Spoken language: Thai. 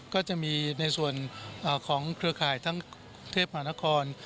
ก็จะมีในส่วนของเครือข่ายทั้งกรุงเทพมหานคร